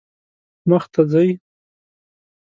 مخ ته ځئ